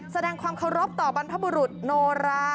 แสดงความเคารพต่อบรรพบุรุษโนรา